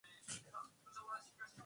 Uchumi wa Zanzibar ni uchumi duni kabisa